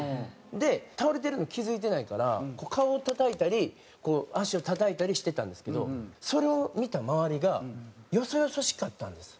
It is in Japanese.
で倒れてるの気付いてないから顔をたたいたり足をたたいたりしてたんですけどそれを見た周りがよそよそしかったんです。